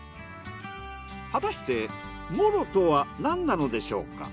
果たしてモロとは何なのでしょうか？